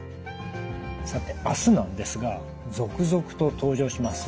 さて明日なんですが続々と登場します